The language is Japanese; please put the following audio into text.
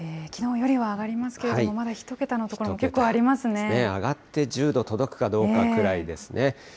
きのうよりは上がりますけれども、まだ１桁の所も結構ありま上がって１０度届くかどうかくらいですね。